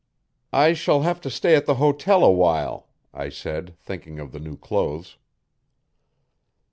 'I shall have to stay at the hotel awhile,' I said, thinking of the new clothes.